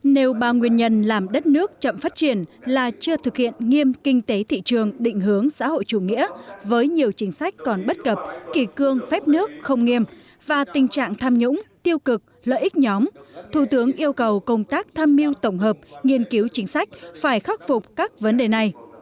nêu ba nguyên nhân làm đất nước chậm phát triển là chưa thực hiện nghiêm kinh tế thị trường định hướng xã hội chủ nghĩa với nhiều chính sách còn bất cập kỳ cương phép nước không nghiêm và tình trạng tham nhũng tiêu cực lợi ích nhóm thủ tướng yêu cầu công tác tham mưu tổng hợp nghiên cứu chính sách phải khắc phục các vấn đề này